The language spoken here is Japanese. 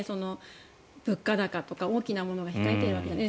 物価高とか大きなものが控えているわけなので。